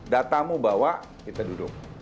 datamu bawa kita duduk